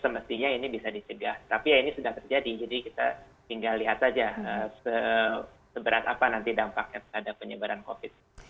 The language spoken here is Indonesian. semestinya ini bisa dicegah tapi ya ini sudah terjadi jadi kita tinggal lihat saja seberat apa nanti dampaknya terhadap penyebaran covid